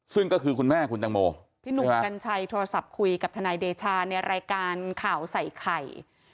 ซึ่งก็คือคุณแม่คุณตังโมพี่หนุ่มกัญชัยโทรศัพท์คุยกับทนายเดชาในรายการข่าวใส่ไข่